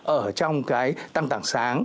ở trong cái tăng tảng sáng